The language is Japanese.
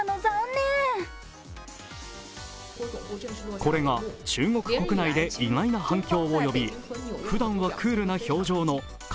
これが中国国内で意外な反響を呼び、ふだんはクールな表情の華